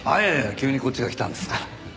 急にこっちが来たんですから。